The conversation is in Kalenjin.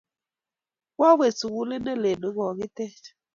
Kwawe sukulit nelel ne kogitech